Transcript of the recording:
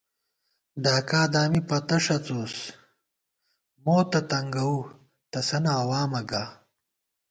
ڈاکا دامی پتہ ݭَڅوس موتہ تنگَوُؤ تسَنہ عوامہ گا